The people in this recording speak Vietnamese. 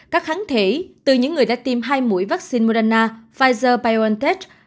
các kháng thể từ những người đã tiêm hai mũi vaccine modana pfizer biontech